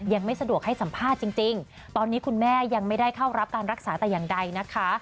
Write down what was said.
ยังไม่สะดวกให้สัมภาษณ์จริงตอนนี้คุณแม่ยังไม่ได้เข้ารับการรักษาแต่อย่างใดนะคะ